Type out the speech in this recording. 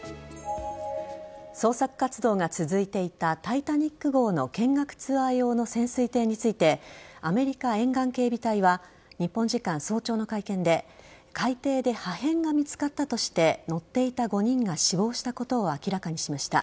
捜索活動が続いていた「タイタニック」号の見学ツアー用の潜水艇についてアメリカ沿岸警備隊は日本時間早朝の会見で海底で破片が見つかったとして乗っていた５人が死亡したことを明らかにしました。